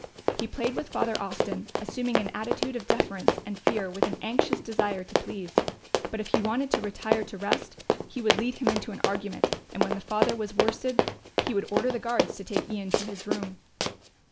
He played with Father Austin, assuming an attitude of deference and fear with an anxious desire to please; but if he wanted to retire to rest, he would lead him into an argument and when the father was worsted he would order the guards to take Ian to his room.